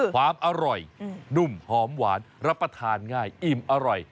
ความอร่อยนุ่มหอมหวานรับประทานง่ายอิ่มอร่อย